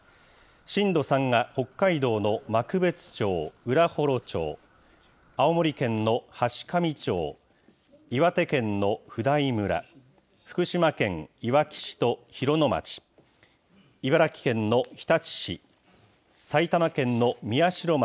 震度３が北海道の幕別町、浦幌町、青森県の階上町、岩手県の普代村、福島県いわき市と広野町、茨城県の日立市、埼玉県の宮代町。